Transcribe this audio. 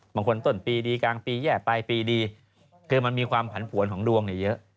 ต้นปีดีกลางปีแย่ไปปีดีคือมันมีความผันผวนของดวงเยอะ